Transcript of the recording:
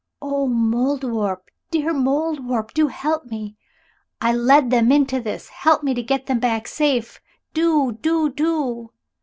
"Oh, Mouldiwarp, dear Mouldiwarp, do help me! I led them into this help me to get them back safe. Do, do, do!"